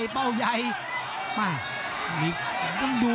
เป้าใหญ่มา